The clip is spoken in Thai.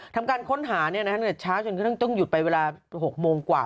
ทำการค้นหาช้าจนก็ต้องหยุดไปเวลา๖โมงกว่า